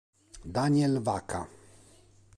Daniel Vaca